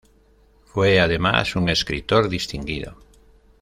Fue además un escritor distinguido.